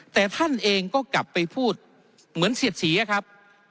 แต่ท่านเองก็กลับไปพูดเหมือนเสียดสีอะครับ